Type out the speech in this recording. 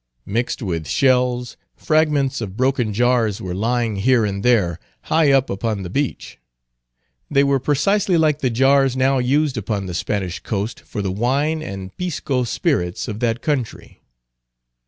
Mixed with shells, fragments of broken jars were lying here and there, high up upon the beach. They were precisely like the jars now used upon the Spanish coast for the wine and Pisco spirits of that country.